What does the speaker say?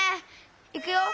いくよ。